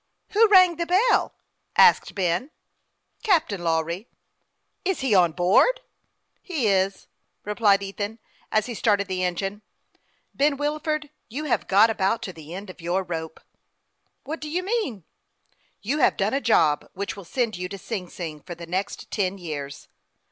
"Who rang the bell?" asked Ben. " Captain Lawry." " Is he on board ?"" He is," replied Ethan, as he started the engine. ' Ben Wilford, you have got about to the end of your rope." " What do you mean ?"" You have done a job which will send you to Sing Sing for the next ten years."